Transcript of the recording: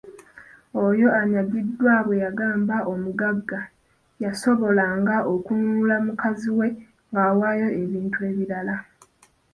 "Oyo anyagiddwa bwe yabanga omugagga, yasobolanga okununula mukazi we ng'awaayo ebintu ebirala."